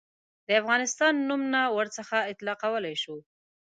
د افغانستان نوم نه ورڅخه اطلاقولای شو.